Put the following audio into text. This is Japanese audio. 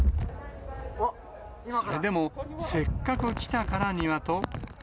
それでもせっかく来たからにはと。